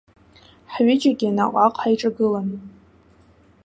Ҳҩыџьагьы наҟ-ааҟ ҳаиҿагылан.